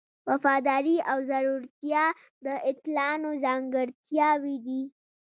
وفاداري او زړورتیا د اتلانو ځانګړتیاوې دي.